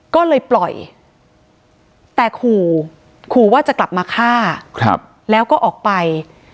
ก็เลยปล่อยแต่ขู่ขู่ว่าจะกลับมาฆ่าแล้วก็ออกไป